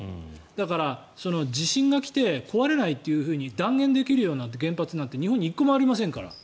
だから、地震が来て壊れないって断言できる原発なんて日本に１個もありませんから。